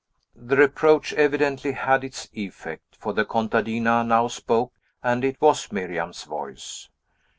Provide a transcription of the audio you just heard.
The reproach evidently had its effect; for the contadina now spoke, and it was Miriam's voice.